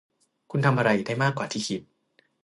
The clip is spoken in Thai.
คุณทำอะไรได้มากกว่าที่คิด